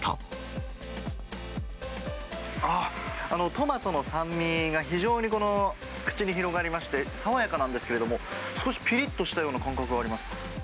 あっ、トマトの酸味が非常にこの口に広がりまして、爽やかなんですけれども、少しぴりっとしたような感覚があります。